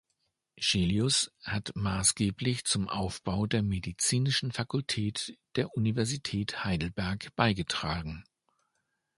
Chelius hat maßgeblich zum Aufbau der Medizinischen Fakultät der Universität Heidelberg beigetragen.